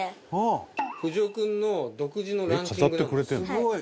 「すごい！